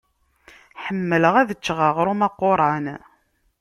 Ḥemmleɣ ad ččeɣ aɣṛum aqquṛan.